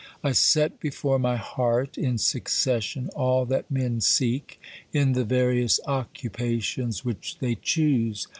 I set before my heart in succession all that men seek in the various occupations which they choose.